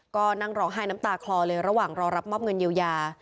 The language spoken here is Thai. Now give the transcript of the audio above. ก็นั่งร้องไห้น้ำตาคลอเลยระหว่างรอรับมอบเงินเยียวยา